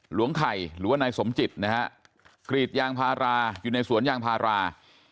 หลวงไข่หรือว่านายสมจิตนะฮะกรีดยางพาราอยู่ในสวนยางพารา